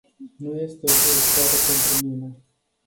Nu este o zi ușoară pentru mine.